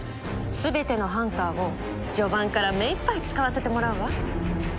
全てのハンターを序盤から目いっぱい使わせてもらうわ。